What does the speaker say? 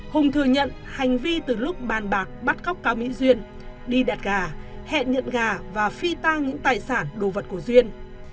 hùng thừa nhận hành vi từ lúc bàn bạc bắt cóc cao mỹ duyên đi đặt gà hẹn nhận gà và phi tang những tài sản đồ vật của duyên